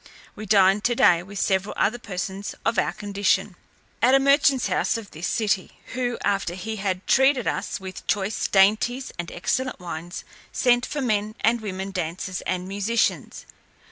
We dined today with several other persons of our condition, at a merchant's house of this city; who, after he had treated us with choice dainties and excellent wines, sent for men and women dancers, and musicians.